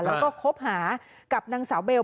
แล้วก็คบหากับนางสาวเบล